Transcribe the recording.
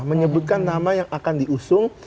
menyebutkan nama yang akan diusung